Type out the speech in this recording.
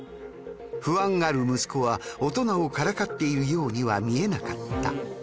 不安がる息子は大人をからかっているようには見えなかった。